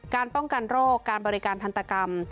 ป้องกันโรคการบริการทันตกรรม